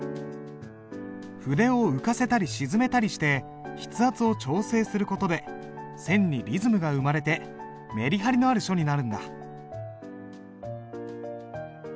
筆を浮かせたり沈めたりして筆圧を調整する事で線にリズムが生まれてメリハリのある書になるんだ。